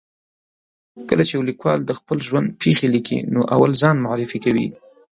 کله چې یو لیکوال د خپل ژوند پېښې لیکي، نو اول ځان معرفي کوي.